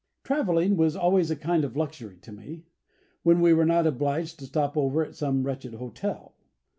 Travelling was always a kind of luxury to me, when we were not obliged to stop over at some wretched hotel.